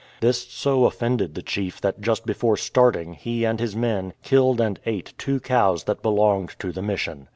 This so offended the chief that just before starting he and his men killed and ate two cows that belonired to the Mission.